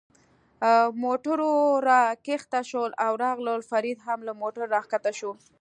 موټرو را کښته شول او راغلل، فرید هم له موټره را کښته شو.